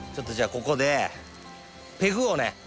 ここでペグをね